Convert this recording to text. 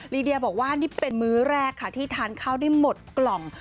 ลีเดียบอกว่านี่เป็นมื้อแรกค่ะที่ทานข้าวได้หมดกล่อง